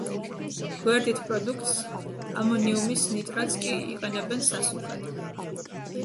გვერდით პროდუქტს, ამონიუმის ნიტრატს, კი იყენებენ სასუქად.